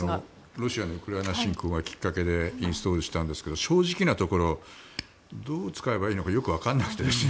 ロシアのウクライナ侵攻がきっかけでインストールしましたが正直なところどう使えばいいのかよく分からなくてですね